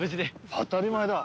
当たり前だ。